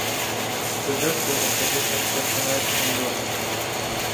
زۆر سەیرە کە هێشتا شێخ عومەر زیندووە.